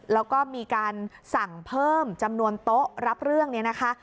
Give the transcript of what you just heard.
แล้วก็มีการสั่งเพิ่มจำนวนโต๊ะรับเรื่องนี้นะคะ